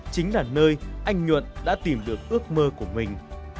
chính là nơi anh nhuận đã tìm được ước mơ của mình